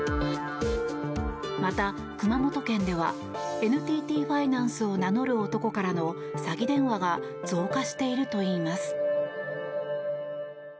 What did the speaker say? また、熊本県ではＮＴＴファイナンスを名乗る男からの詐欺電話が増加しているといいます。